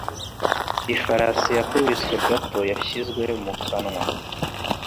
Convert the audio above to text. Ifarashi yakubiswe gato yashyizwe mu kanwa.